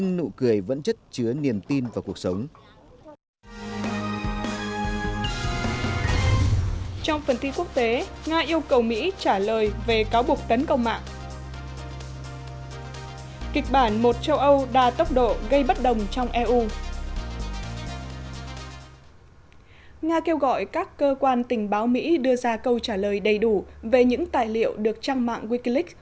nga kêu gọi các cơ quan tình báo mỹ đưa ra câu trả lời đầy đủ về những tài liệu được trang mạng wikileaks